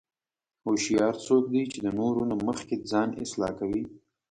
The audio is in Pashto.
هوښیار څوک دی چې د نورو نه مخکې ځان اصلاح کوي.